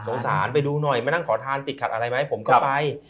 สารไปดูหน่อยมานั่งขอทานติดขัดอะไรไหมผมก็ไป